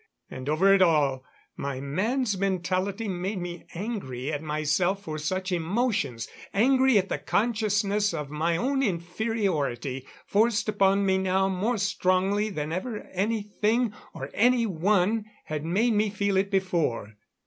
And over it all, my man's mentality made me angry at myself for such emotions; angry at the consciousness of my own inferiority, forced upon me now more strongly than ever anything or any one had made me feel it before.